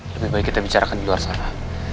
lebih baik kita bicarakan di luar sana